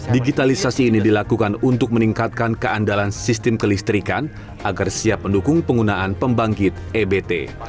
digitalisasi ini dilakukan untuk meningkatkan keandalan sistem kelistrikan agar siap mendukung penggunaan pembangkit ebt